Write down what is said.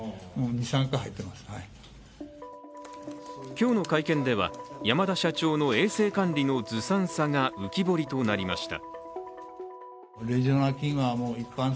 今日の会見では、山田社長の衛生管理のずさんさが浮き彫りとなりました。